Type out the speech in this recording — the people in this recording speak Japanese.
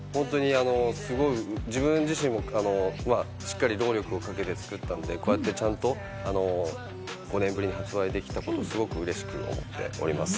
本当に自分自身も、しっかり労力をかけて作ったんで、こうやって５年ぶりに発売できたということをすごく嬉しく思っております。